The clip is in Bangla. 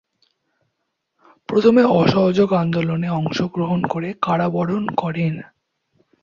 প্রথমে অসহযোগ আন্দোলনে অংশগ্রহণ করে কারাবরণ করেন।